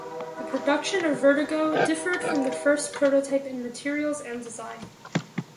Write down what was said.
The production Vertigo differed from the first prototype in materials and design.